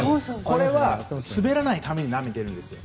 これは滑らないためになめているんです。